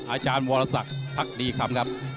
อาจารย์วรศักดีครับ